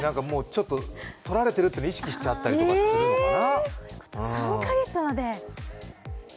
ちょっと撮られているというのを意識しちゃったりするのかな？